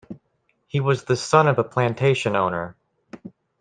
He was the son of a plantation owner.